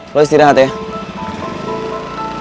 lo istirahat ya